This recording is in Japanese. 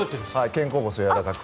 肩甲骨をやわらかく。